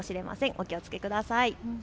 お気をつけください。